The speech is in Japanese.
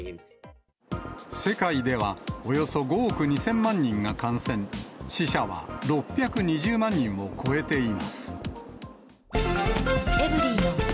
世界では、およそ５億２０００万人が感染、死者は６２０万人を超えています。